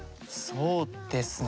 そうですね。